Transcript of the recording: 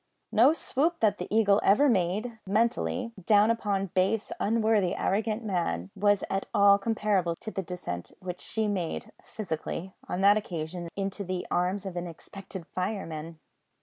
No swoop that the Eagle ever made (mentally) down upon base, unworthy, arrogant man, was at all comparable to the descent which she made (physically) on that occasion into the arms of an expectant fireman!